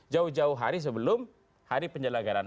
jauh jauh hari sebelum hari penjelanggaran